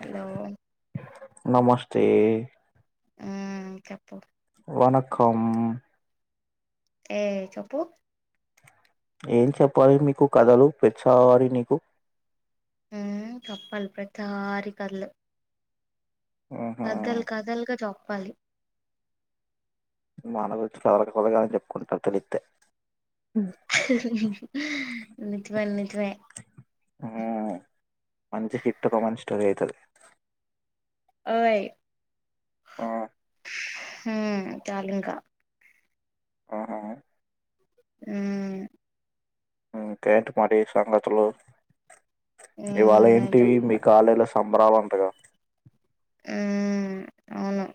Hello tea మ్ చెప్పు వనకం ఏ చెప్పు ఏం చెప్పాలి మీకు కథలు పెచ్చవాలి నీకు మ్ చెప్పాలి ప్రతిసారి కదలు ఊహు కథలు కథలుగా చేప్పాలి మాన గురించి కదలు కదలు గానే చెప్పుకుంటారు తెలితే నిజమే నిజమే మ్మ్ మంచి హిట్ ఒక మంచి స్టోరీ ఐతది ఓయీ ఆ హు మ్ చాలు ఇంక అ హా మ్ మ్ ఇంకేంటి మరి సంగతులు ఇవాళ ఏమున్నాయి ఏంటి మీ చెప్పు కాలేజ్ ల సంబరాలంటగా మ్ అవును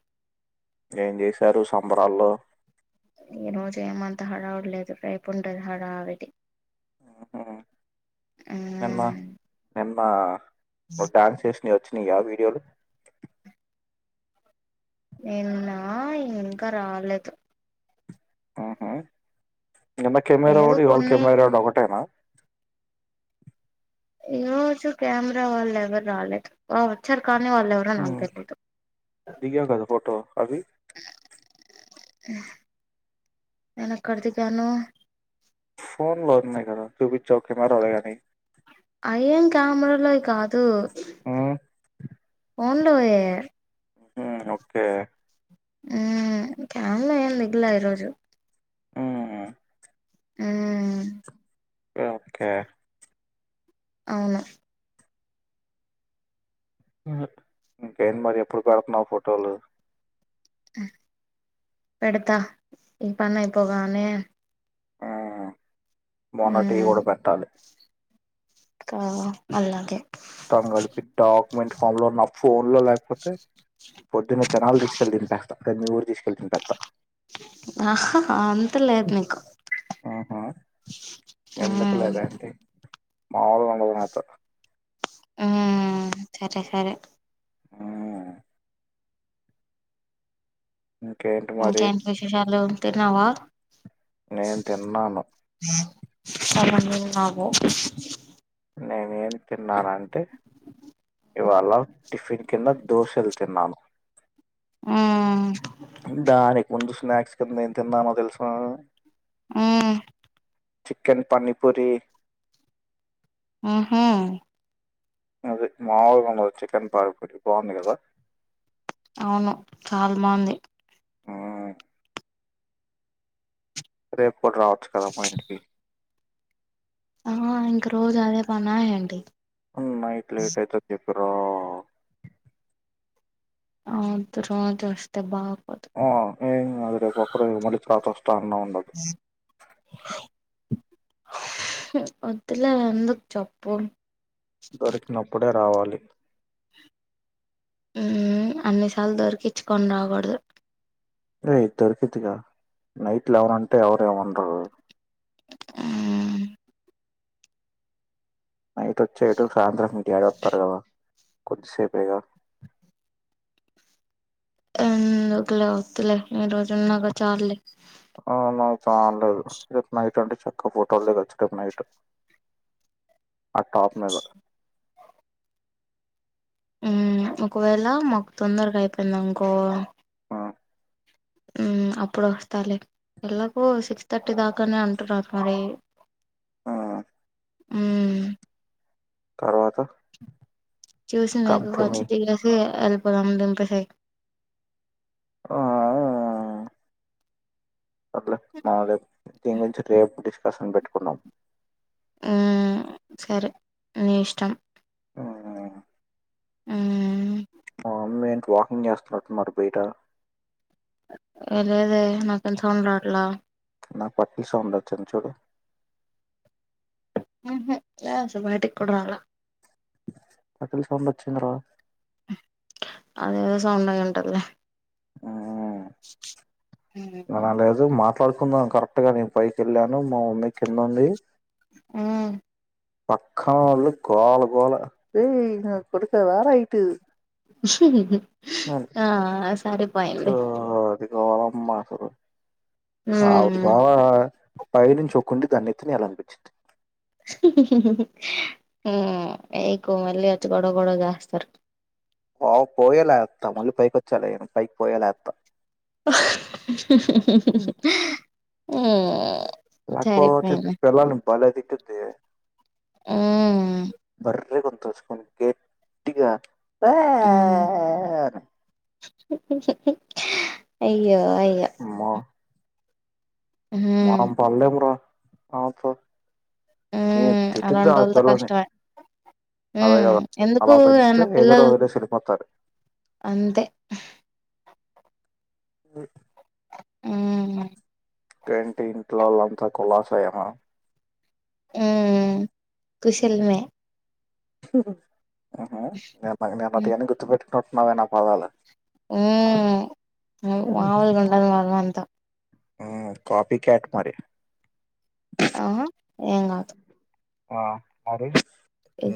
ఏం చేసారు సంబరాల్లో ఈ రోజు ఎం అంత హడావిడి లేదు రేపు ఉండది హడావిడి మ్ హు నిన్న ఉమ్ నిన్న నువ్ డ్యాన్స్ చే నయ్ వచ్చిన యా వీడియోలు నిన్నా ఇంకా రాలాలేదు మ్ హు నిన్న కెమెరా ఏదో వాడు ఇవాళ కొన్ని కెమెరా వాడు ఒకటేనా ఈరోజు కెమెరా వాళ్ళ ఎవరు రాలే వా వచ్చారు కాని వాళ్ళేవరో నాక్ మ్మ్ తెలిదు దిగావు కదా ఫోటో అవి నేన్ ఎక్కడదిగాను ఫోన్ లో ఉన్నాయి కాద చూపించావ్ కెమెరా మాన్ యి అయ్యేం కెమెరాలో యి కాదు హ్మ్. ఫోన్లోయే మ్ హు ఓకే మ్ క్యాన్లో ఎం దిగలే ఈరోజు మ్ మ్ ఓకే ఒకే అవును ఇంకేంటి మరి ఎప్పుడు పెడుతున్నావ్ ఫోటోలు పెడుతా ఇ పనైపోగానేే మొన్నటియి కూడా పెట్టాలి క అల్లాగే తం కలిపి డాక్యుమెంట్ ఫామ్ లో నా ఫోన్ లో లేకపోతే పొడ్డున తెనాలి తీసుకెళ్ళి దొంపేస్తా లే మీ ఊరు తీసుకెళ్ళి దింపేస్తా ఆహా అంత లేదు నీకు ఆహా ఎందుకు మ్మ్ లేదెంటి మాములుగుండాది నాతో మ్ సరే సరే హ్మ్. ఇంకేంటి మరి? ఇకేంట్ విశేషాలు తిన్నావ. నేను తిన్నాను. సామాన్యుల్ నాగు నేనేం తిన్నానంటె ఇవాళ టిఫిన్ కింద దోసెలు తిన్నను హ్మ్ దానికి ముందు స్నాక్స్ కింద ఎం తిన్నానో తెలుసా ఊమ్. చిక్కెన్ పానీపూరీ. ఊహు అది మాములుగుండదు చికన్ పానీపూరి బాగుంది గదా. ఔను చాల్ బాంది. మ్మ్. రేపు కూడ్ రావచ్చు కద మా ఇంటికి. ఆ ఇంక రోజదే పనా ఏంటి. ఉమ్ నైట్ లేటైతద్ చెప్పిరా. ఆ వొద్దు రోజొస్తె బాగ్ ఆ ఏం గాద్ రేపొక్కరోజ్ మల్లి తర్వాతొస్తా అన్నా ఉండదు. ఒద్దులే ఎందుక్ చెప్పు. దొరికినప్పుడే రావాలి. ఊమ్ అన్నిసాల్ దొర్కిచ్చుకొన్ రాగూడ్దు. రే దొరికితిగ నైట్ లెవెనంటె ఎవరేమన్రు. మ్మ్ నైటొచ్చే ఇటు సాయంత్రం మి డ్యాడి వొత్తర్ గద కొద్దిసేపేగ. ఎందుకులె ఒద్దులె ఈరోజ్ ఔను చాలదు రేప్ నైట్ టంటె చక్కగ్ ఫోటోల్ దిగచ్చు గమ్నైట్ అ టాప్ మీద. ఊమ్ ఒకవేళ మాక్ తొందర్గైపెయ్ందన్కో అ. ఊమ్ అప్పుడొస్తాలె. ఎల్లాకో సిక్స్ థర్టీ దాకానే అంటున్నార్ మరి ఆ. ఊమ్. తర్వాత్ టు చూసీనెగువ్గాచ్చ్ మీ దిగేసీ ఎల్ పొదామ్ దింపేసెయ్. ఆ [unintelligible] ఒద్లె బాలేవ్ దీన్ గురించి రేప్ డిస్కషన్ పెట్టుకుందాం. ఊమ్ సరే నీ ఇష్టం. ఊమ్ ఊమ్ మ మమ్మీ ఏంట్ వాకింగ్ జేస్త్నట్టున్నార్ బైట. ఎ లేదె నాకేం సౌండ్ రాట్ల. నాక్ పట్టీల్ సౌండొచ్చింద్ చూడు. ఊహు లే అసల్ బైటికి కూడ్ రాలా. పట్టీల్ సౌండొచ్చింది రా. హ్మ్ అదేఏదో సౌండయ్యుంటద్ లె. ఊమ్ హ్మ్. మనా లేదు మా పడుకుందాం కరెక్ట్గ నేన్ పైకెళ్ళాను మ మమ్మీ కిందుంది ఊమ్. పక్కా వాళ్లు గోల గోల రేయ్ న కొడకా రారా ఇటు. అని ఆ సరిపొయ్ంది. గోలమ్మా అసలు [unintelligible] పైనుంచి ఓ కుండీ దాని నెత్తినేయాలి అనిపించింది హ్మ్ హీహీ ఎకు మళ్ళీ వచ్చి గొడవ గొడవ చేస్తారు ఓ పోయేలాత్త మళ్ళీ పైకొచ్చాలేను పైక్ పోయేలాత్త. హ్మ్. రాపో సరిపోయింది పిల్లలు బలే దే ఊ బర్రె గొంతు వేసుకొని గెట్టిగా బే హ్మ్. అయ్యో అయ్యో మా పాలెం రా ఆళ్లతో ఏం తిటిందో అలాంటి ఆ వాళ్ళతో పిల్లని కష్టమే అదే హ్మ్. కదా ఎందుకు ఆలా పెంచితే నా ఏదో పిల్లలు రోజు వదిలేసి వెళ్ళిపోతారు అంతే మ్ హ్మ్. ఇంకా ఏంటీ ఇంట్లోలు అంత కులాసా ఏనా మ్మ్ కుశలమే ఉహు నిన్నటి అన్ని గుర్తుపెట్టుకున్నట్టున్నావే నా పదాలు ఉ మమ్ములగా ఉన్నడదు మరి మనతో కాఫీ క్యాట్ మారీ ఆ ఏం కాదు ఆ మరి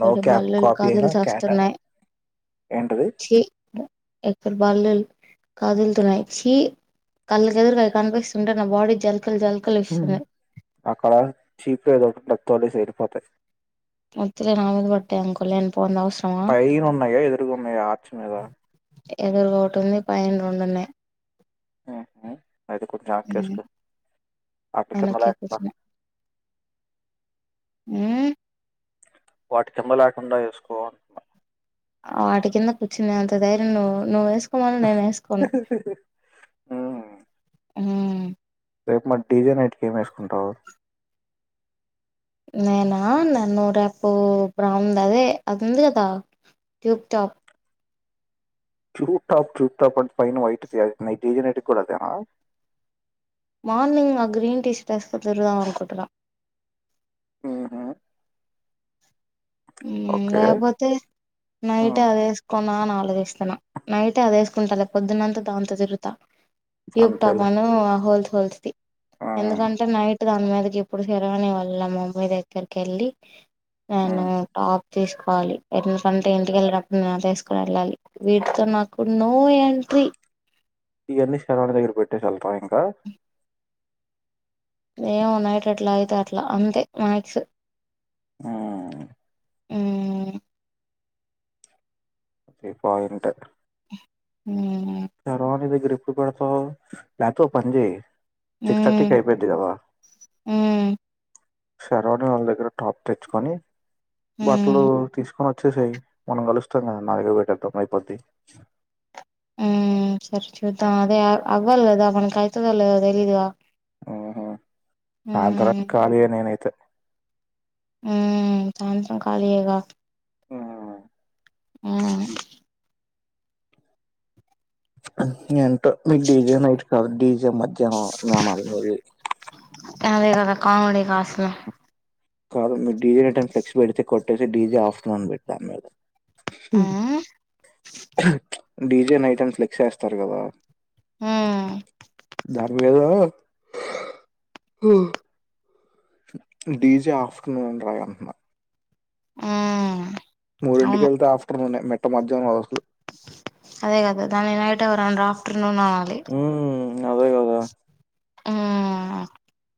నో క్యాప్ బల్లలు కాపీ కాజలు అయినా క్యాట్ చస్తున్నాయి ఏంటిది చి ఇక్కడ బల్లులు కదులుతున్నాయి చి కళ్ళకి ఎదురుగా అవి కనిపిస్తుంటే నా బాడీ జల్ అక్కడ చీపిరి ఏదో ఒకటి తోలిసే వెళ్లిపోతాయి వద్దులే నా మీద పడ్డాయి అనుకో లేనిపోని పైన ఉన్నాయా ఎదురుగాన్నాయా ఆచ మీద ఎదురుగా ఓటుంది పైన రెండు ఉన్నాయి అయితే కొంచం ఏనాకిసుకో అటికింద లేకుండా మ్మ్ వాటి కింద లేకుండా వేసుకో వాటి కింద కూర్చునేంత ధైర్యం ను్వు నువ్వ వేసు ఉమ్ మ్మ్ రేపు మరి డీజే నైటికి ఏం వేసుకుంటావు నేనా న నన్నూ రేపు బ్రౌన్ అదే అది ఉంది కదా టు్టాప్ టాక్ జుట్ టాప్ జూట్ టాప్ అంత పైన వైట్ తంది డీజే నైట్ కూడా అదేనా మార్నింగ్ ఆ గ్రీన్ టీషర్ట్ వెస్కాన్ తిరుగుదామనకుంటున్న ఉహు ఓకే లేకపోతే నైట్ ఉమ్ అది వేసుకో నా ఆలోచేస్తన్నా నైటే అది వేసుకుంటాల పొద్దున్నంత దాంతో తిరుగుతా ట్యూబ్ టాప్ అంతేలే ను ఆ హోల్స్ హోల్స్ది ఉమ్ ఎందుకంటే నైట్ దాని మీదకి ఇప్పుడు శరవని వెళ్ళం మమ్మీ దగ్గరికి వెళ్ళి నేను ఉమ్ టాప్ తీసుకోవాలి ఎందుకంటె ఇంటిక వెళ్ళటప్పుడు నేను వేసుకుని వెళ్ళాలి వీటితో నాకు నో ఎంట్రీ ఇవన్నీ శర్వాణి దగ్గర పెట్టేసి వెళ్తావా ఇంకా ఏమో నైట్ అట్లా అయితే అట్లా అంతే మ్యాక్స్ ఉమ్ మ్ ఒకే పాయింటె మ్మ్ శర్వాణి దగ్గర ఎప్పుడు పెడతావ్ లేత ఓపని చేయి సిక్స్ థర్టీకి మ్మ్ అయిపోయిద్ధి కదా మ్మ్ శర్వని వాళ్ళ దగ్గర టాప్ తెచ్చుకొని బట్టలు మ్మ్ తీసుకొని ఓచ్చేసేయి మనం కలుస్ తమ్ కదా నా దగ్గర పెట్ అర్ధమైపోద్ధి మ్ సరే చూద్దాం అదే అ అవ్వల్ కదా మనకి ఐతదొ లేదో తెలీదు కదా మ్ హు సాయంత్రం వరక్ కాలీగ నేనైతే మ్ సాయంత్రం కలియెగ మ్ ఏంటో మీ డీజే నైట్స్ కాదు డి జె మధ్యానం న ఇది అదే కద కామడిగా అస్సలు కాదు మీరు డీజే నైట్ అని ఫ్లెక్స్ పెడితే కొట్టేసి డీజే ఆఫటర్నూన్ అని పెట్టిలీ మీరు ఉమ్ డీజే నైట్ అని ఫ్లెక్సీ ఎస్తారు కదా మ్ దాని బదులు డిజే ఆఫ్టర్నూన్ రాయి అంటున్నా మ్ మూడింటికెళ్తే ఆఫటర్నూన్ఎ మీట్ట మధ్యానం అది అసలు అదే కదా దాన్ని నైట్ ఎవరు అనరు ఆఫ్టర్నూన్ అనాలి మ్ అదే కదా హుమ్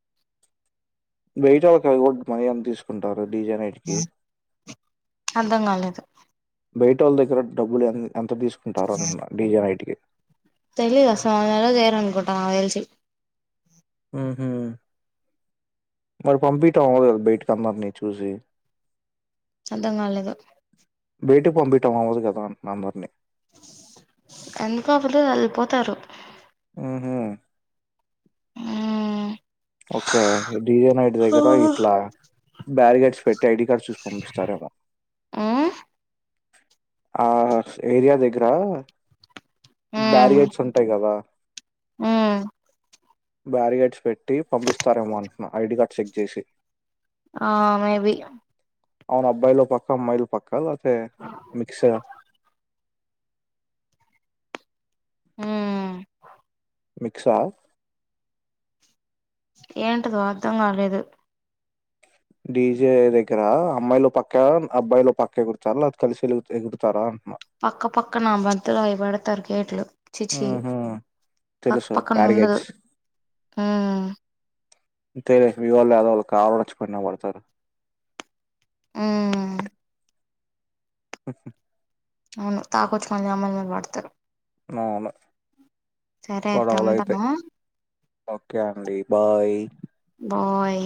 [unintelligible] ఎంత తీసుకుంటారు డీజే నైట్ కి అర్థం కాలేదు బైట వాళ్ళ దగ్గర డబ్బులు ఎ ఎంత తీసుకుంటారు అన్ అంటున్న డీజే నైట్కి తెలీదు అసల్ అది [unintelligible] చేయరనుకుంటా నాకు తెల్సి మ్ హు మరి పంపిటం అవధ్ కదా బైట్కంధర్ని చూసి అర్థం కాలేదు బేటకి పంపిటం అవ్వదు కదా అంటున్న అందరినీ ఎందుకవ్వదు ఎళ్ళిపోతారు మ్ హు ఉమ్ ఓకే ఈ డిజే నాైట్ దగ్గర ఉమ్ ఇట్లా బారిగేడ్స్ పెట్టి ఐడి కార్డ్ చూసి పంపిస్తారేమో ఆ ఆ ఏరియా దగ్గరా ఉమ్ బ్యారిగేడ్స్ ఉంటాయి్ కదా ఉమ్ బ్యారిగేడ్స్ పెట్ ట్టి పంపిస్తారేమో అనుకున్నా ఐడి కార్డ్ చెక్ చేసి ఆ మేబి అవును అబ్బాయిలో పక్క అమ్మాయిలో పక్క లేపోతే మిక్స్ ఆ ఉమ్ మీక్సా అ ఏంటిదో అర్థం కాలేదు డీజే దగ్గర అమ్మాయిలో పక్కా అబ్బాయిలో పక్క ఎగురుతారా లేపోతే కలిసి ఎగురూతారా అని పక్క పక్కనా మధ్యలో అయి పెడుతారు గేట్లు చిచి ఆహా పక్క తెలుసు పక్కన ఉండదు టార్గెట్స్ మ్ అంతేలే మీవాళ్ళు [inaudible] కావడచ్చుపోయినా పడుతారు మ్మ్ అవును తాగొచ్చి మళ్ళీ అమ్మయిల మీద పడుతారు అవును సరే అయితే గొడవలైతాయి ఉంటాను ఓకే అండి బాయ్ ఓయ్